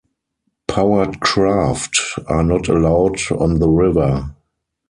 Powered craft are not allowed on the river.